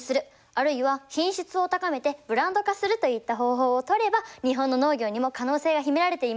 あるいは品質を高めてブランド化するといった方法を取れば日本の農業にも可能性が秘められています。